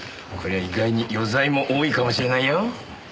こりゃ意外に余罪も多いかもしれないよ。